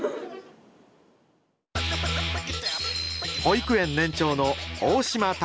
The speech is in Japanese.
保育園年長の大島匠。